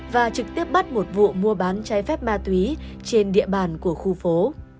và trực tiếp bắt một vụ mua bán trái phép ma túy trên địa bàn của khu phố